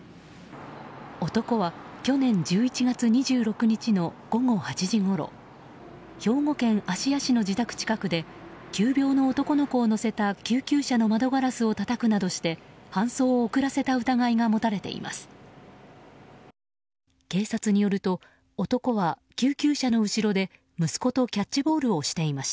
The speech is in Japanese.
男は去年１１月２６日の午後８時ごろ兵庫県芦屋市の自宅近くで急病の男の子を乗せた救急車の窓ガラスをたたくなどして搬送を遅らせた疑いが持たれています。